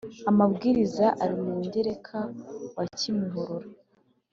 amabwiriza ari mu mugereka wa kimihurura